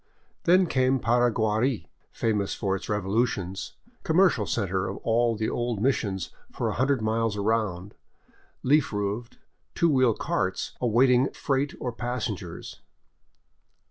Then came Paraguari, famous for its revolutions, commercial center of all the old missions for a hundred miles around, leaf roofed, two wheel carts awaiting freight or passengers.